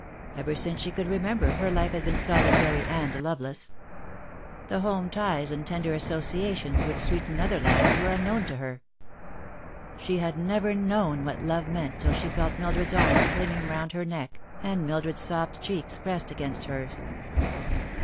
Ever since she could remember, her life had been solitary and loveless. The home ties and tender associations which sweeten other lives were unknown to her. She had never known what love meant till she felt Mil dred's warm arms clinging round her neck, and Mildred's soft cheeks pressed against hers.